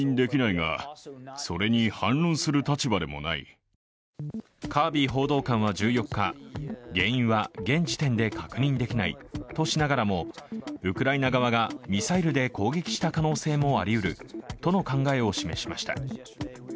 アメリカ国防総省はカービー報道官は１４日原因は現時点で確認できないとしながらもウクライナ側がミサイルで攻撃した可能性もありうるとの考えを示しました。